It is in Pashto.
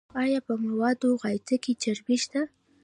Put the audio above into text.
ایا په موادو غایطه کې چربی شته؟